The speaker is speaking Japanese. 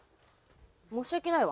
申し訳ないわ。